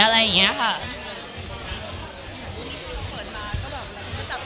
มันคิดว่าจะเป็นรายการหรือไม่มี